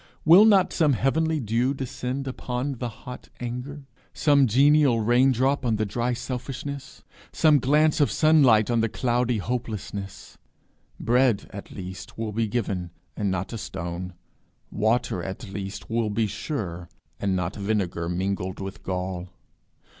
Will not some heavenly dew descend cool upon the hot anger? some genial rain drop on the dry selfishness? some glance of sunlight on the cloudy hopelessness? Bread, at least, will be given, and not a stone; water, at least, will be sure, and not vinegar mingled with gall.